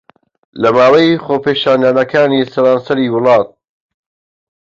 لە ماوەی خۆپیشاندانەکانی سەرانسەری وڵات